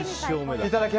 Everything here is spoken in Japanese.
いただき！